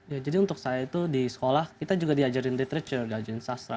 ya jadi untuk saya itu di sekolah kita juga diajarin literacture diajarin sastra